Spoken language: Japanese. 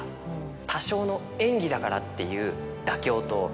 多少の「演技だから」っていう。